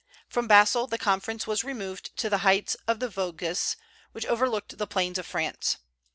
From Basle the conference was removed to the heights of the Vosges, which overlooked the plains of France.